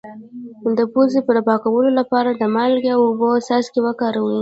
د پوزې د پاکوالي لپاره د مالګې او اوبو څاڅکي وکاروئ